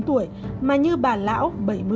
hai mươi chín tuổi mà như bà lão bảy mươi